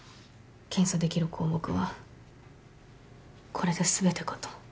検査できる項目はこれで全てかと。